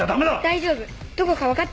大丈夫どこか分かってる。